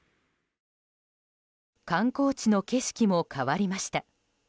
観光地の景色も変わりました。